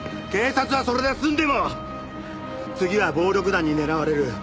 警察はそれで済んでも次は暴力団に狙われる。